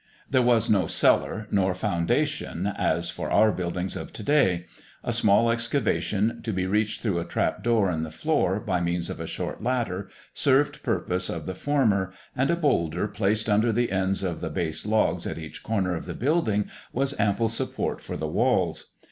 There was no cellar nor foundation, as for our buildings of to day. A small excavation, to be reached through a trap door in the floor by means of a short ladder, served the purpose of the former, and a boulder placed under the ends of the base logs at each corner of the building was ample support for the walls.